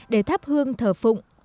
để thắp hương thở phụng